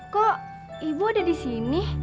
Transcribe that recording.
kok ibu ada di sini